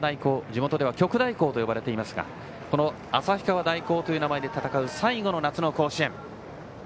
地元では旭大高と呼ばれていますがこの旭川大高という名前で戦う最後の夏の甲子園。